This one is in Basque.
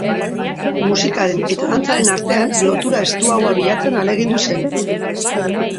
Musikaren eta dantzaren artean lotura estuagoa bilatzen ahalegindu zen.